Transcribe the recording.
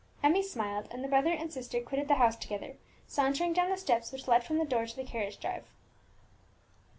Emmie smiled, and the brother and sister quitted the house together, sauntering down the steps which led from the door to the carriage drive.